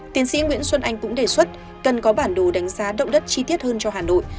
tiến sĩ nguyễn xuân anh cũng đề xuất cần có bản đồ đánh giá động đất chi tiết hơn cho hà nội